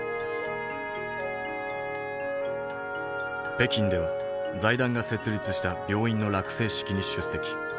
北京では財団が設立した病院の落成式に出席。